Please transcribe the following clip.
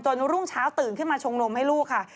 รุ่งเช้าตื่นขึ้นมาชงนมให้ลูกค่ะ